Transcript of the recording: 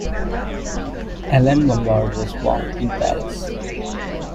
Alain Bombard was born in Paris.